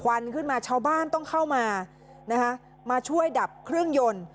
วันขึ้นมาชาวบ้านต้องเข้ามานะคะมาช่วยดับเครื่องยนต์